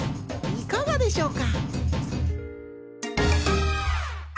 いかがでしょうか？